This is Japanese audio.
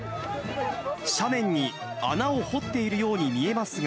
斜面に穴を掘っているように見えますが、